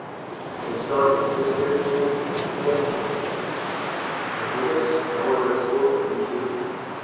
"And we start in his carriage, then?" "Yes, my lord." "And with us no other escort but you two?"